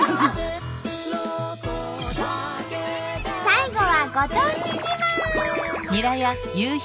最後はご当地自慢。